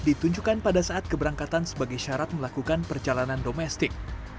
ditunjukkan pada saat keberangkatan sebagai syarat melakukan perjalanan domestik